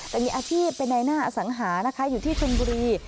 แต่มีอาชีพเป็นในหน้าอสังหานะคะอยู่ที่ชนบุรี